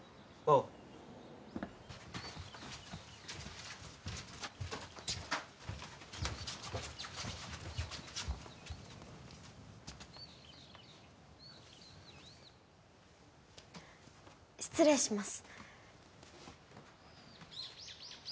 あ失礼します